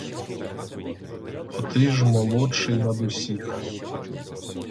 Бо ти ж молодший над усіх.